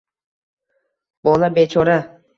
Bola bechora